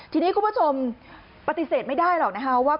ทีนี้คุณผู้ชมปฏิเสธไม่ได้หรอกนะคะว่า